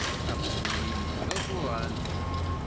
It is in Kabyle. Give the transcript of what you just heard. Aqjun-im d azuran.